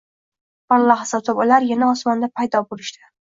Bir lahza o‘tib ular yana osmonda paydo bo‘lishdi.